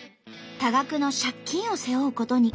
多額の借金を背負うことに。